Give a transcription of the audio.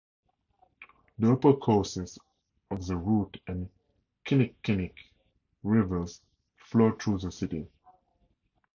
The upper courses of the Root and Kinnickinnic Rivers flow through the city.